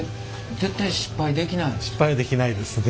失敗はできないですね